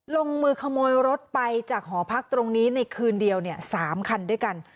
ลงมือขโมยรถไปจากหอพักตรงนี้ในคืนเดียว๓คันด้วยกัน